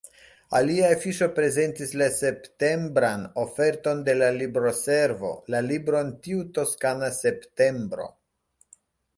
Alia afiŝo prezentis la septembran oferton de la Libroservo, la libron Tiu toskana septembro.